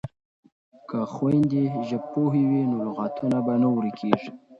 که خویندې ژبپوهې وي نو لغاتونه به نه ورکیږي.